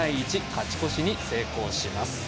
勝ち越しに成功します。